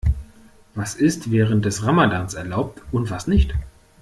Was ist während des Ramadans erlaubt und was nicht?